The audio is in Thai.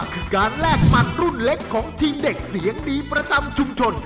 คือการแลกหมัดรุ่นเล็กของทีมเด็กเสียงดีประจำชุมชน